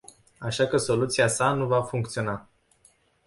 Așa că soluția sa nu va funcționa.